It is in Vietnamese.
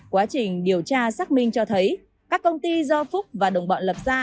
quá trình điều tra xác minh cho thấy các công ty do phúc và đồng bọn lập ra